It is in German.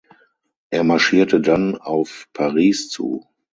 Er marschierte dann auf Paris zu.